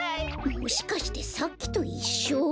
もしかしてさっきといっしょ？